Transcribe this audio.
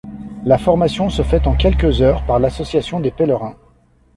La formation se fait en quelques heures par l'association des pèlerins.